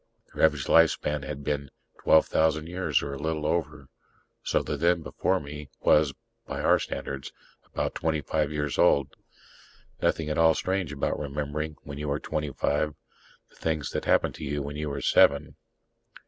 Their average lifespan had been 12,000 years or a little over. So the Zen before me was, by our standards, about twenty five years old. Nothing at all strange about remembering, when you are twenty five, the things that happened to you when you were seven